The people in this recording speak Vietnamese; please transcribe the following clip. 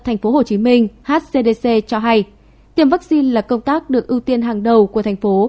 tp hcm hcdc cho hay tiệm vaccine là công tác được ưu tiên hàng đầu của thành phố